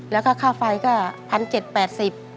แล้วก็ค่าไฟก็๑๗๘๐บาท